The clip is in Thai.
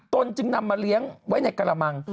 ตนจึงนำมาเลี้ยงไว้ในกระมัง